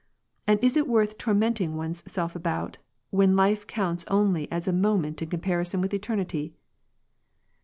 And is it worth torment ing one's self about, when life counts only as a moment in comparison with eternity